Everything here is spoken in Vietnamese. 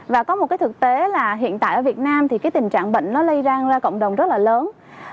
và có một thực tế là hiện tại ở việt nam tình trạng bệnh lây ra ra cộng đồng rất lớn